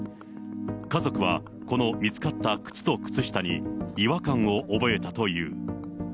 家族はこの見つかった靴と靴下に違和感を覚えたという。